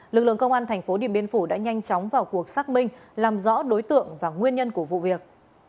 lực lượng công an thành phố điện biên phủ đã nhanh chóng vào cuộc xác minh làm rõ đối tượng và nguyên nhân của vụ việc